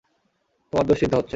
তোমার দুশ্চিন্তা হচ্ছে।